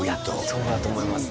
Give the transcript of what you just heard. そうだと思います